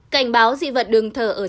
cảnh báo dị vật đường thở ở trang trường